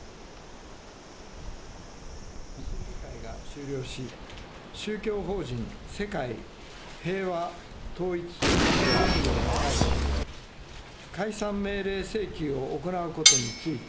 審議会が終了し、宗教法人世界平和統一家庭連合に対し、解散命令請求を行うことについて、